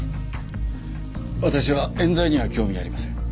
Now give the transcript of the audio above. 私は冤罪には興味ありません。